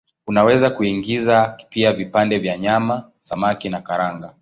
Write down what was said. Unaweza kuingiza pia vipande vya nyama, samaki na karanga.